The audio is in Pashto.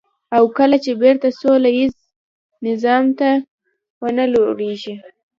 او کله چې بېرته سوله ييز نظم ته ونه لوېږي.